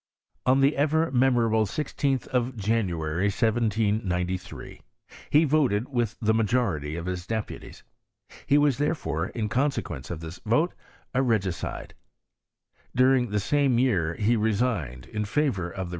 ^r On the ever meraoriible 16th of January, 1793,« he voted with the majority of deputies. He wati>l therefore, in consequence of this vote, a regicide. ' During the same year he resigned, in favour of the.